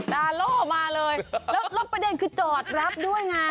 ดาโล่มาเลยแล้วประเด็นคือจอดรับด้วยไง